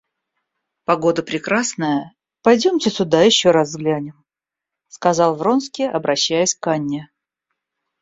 Погода прекрасная, пойдемте туда, еще раз взглянем, — сказал Вронский, обращаясь к Анне.